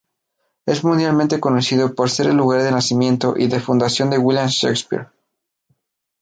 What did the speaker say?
Es mundialmente conocido por ser el lugar de nacimiento y defunción de William Shakespeare.